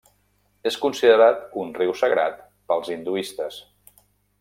És considerat un riu sagrat pels hinduistes.